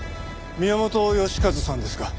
宮本良和さんですか？